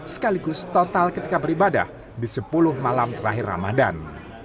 sekaligus total ketika beribadah di sepuluh malam terakhir ramadan